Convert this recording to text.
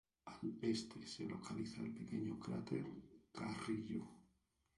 Al este se localiza el pequeño cráter Carrillo.